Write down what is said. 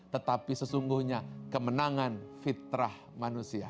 tetapi sesungguhnya kemenangan fitrah manusia